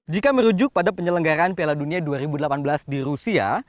jika merujuk pada penyelenggaraan piala dunia dua ribu delapan belas di rusia